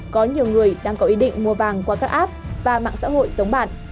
có nhiều người đang có ý định mua vàng qua các app và mạng xã hội giống bạn